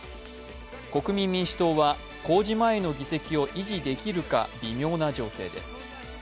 国民民主党は公示前の議席を維持できるか微妙な情勢です。